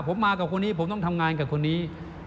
ผมมากับคนนี้ผมต้องทำงานกับคนนี้